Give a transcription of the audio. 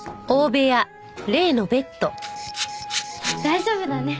大丈夫だね。